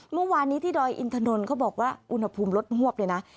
เมื่อวานนี้ที่ดอยอินทนนท์เขาบอกว่าอุณหภูมิลดหวบเลยนะ